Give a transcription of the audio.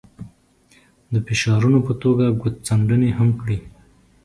د فشارونو په توګه ګوتڅنډنې هم کړي.